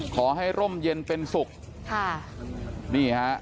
ขอให้ร่มเย็นเป็นศุกร์